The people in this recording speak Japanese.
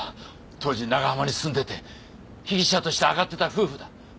当時長浜に住んでて被疑者として挙がってた夫婦だ。